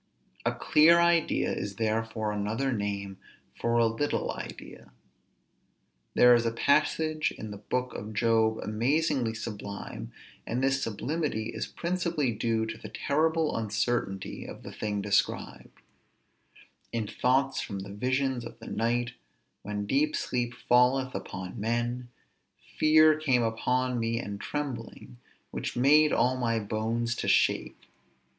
A clear idea is therefore another name for a little idea. There is a passage in the book of Job amazingly sublime, and this sublimity is principally due to the terrible uncertainty of the thing described: _In thoughts from the visions of the night, when deep sleep falleth upon men, fear came upon me and trembling, which made all my bones to shake.